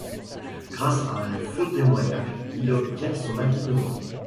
Grâce à un faux témoignage, il obtient son acquittement.